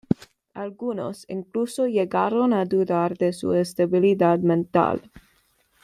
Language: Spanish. Algunos, incluso, llegaron a dudar de su estabilidad mental.